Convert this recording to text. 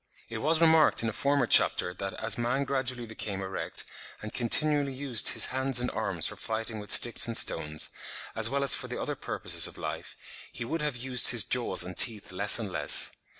It was remarked in a former chapter that as man gradually became erect, and continually used his hands and arms for fighting with sticks and stones, as well as for the other purposes of life, he would have used his jaws and teeth less and less.